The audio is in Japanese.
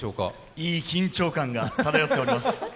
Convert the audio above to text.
いい緊張感が漂っております。